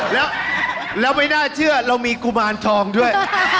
แล้วไม่น่าเชื่อเรามีกุมารทองด้วย